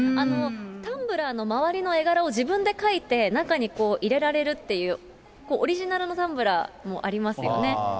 タンブラーの周りの絵柄を自分で描いて、中に入れられるっていう、オリジナルのタンブラーもありますよね。